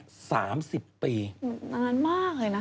นานมากเลยนะ